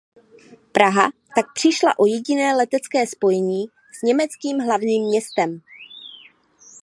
Praha tak přišla o jediné letecké spojení s německým hlavním městem.